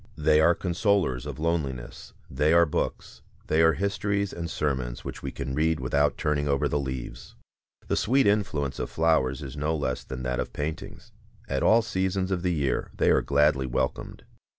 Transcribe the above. They are consolers of loneliness, they are books, they are histories and sermons which we can read without turning over the leaves. The sweet influence of flowers is no less than that of paintings. At all seasons of the year they are gladly welcomed.